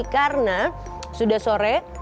karena sudah sore